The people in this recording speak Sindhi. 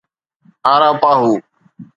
اَراپاهو